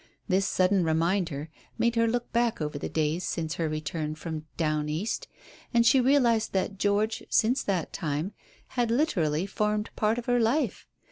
This sudden reminder made her look back over the days since her return from "down East," and she realized that George, since that time, had literally formed part of her life.